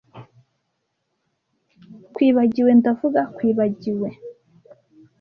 Twibagiwe, ndavuga kwibagiwe